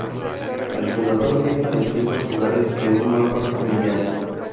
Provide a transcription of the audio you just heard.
El jugador viaja a distintos lugares de un mapa mundial.